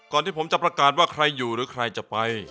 ที่ผมจะประกาศว่าใครอยู่หรือใครจะไป